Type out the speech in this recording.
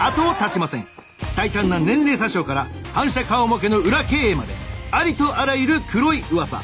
大胆な年齢詐称から反社顔負けの裏経営までありとあらゆる黒い噂。